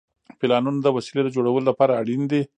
پلانونه د وسیلې د جوړولو لپاره اړین دي.